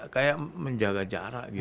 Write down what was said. kayak menjaga jarak gitu